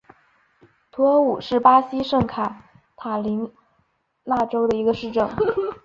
图尔武是巴西圣卡塔琳娜州的一个市镇。